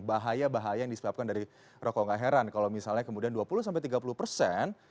bahaya bahaya yang disebabkan dari rokok nggak heran kalau misalnya kemudian dua puluh sampai tiga puluh persen